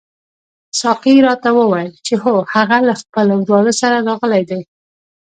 ساقي راته وویل چې هو هغه له خپل وراره سره راغلی دی.